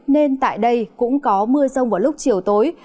nên tại đây cũng có mưa rông vào lúc chiều tối